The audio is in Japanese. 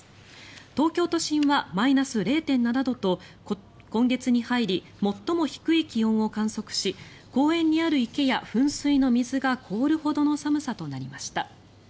東京都心はマイナス０．７度と今月に入り最も低い気温を観測し公園にある池や噴水の水が氷るほどの寒さとなりました。